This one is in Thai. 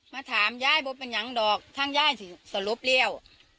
ม่ะถามยายเบื้อประยะงดอกท่านยายที่สลบแล้ว